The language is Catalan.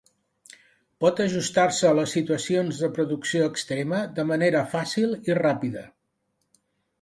Pot ajustar-se a les situacions de producció extrema de manera fàcil i ràpida.